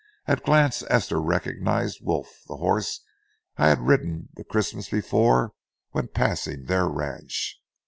At a glance Esther recognized Wolf, the horse I had ridden the Christmas before when passing their ranch.